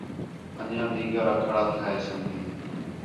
اَن٘ڄیاں دِیگر آ کھڑا تِھیا ہِے سنڳتی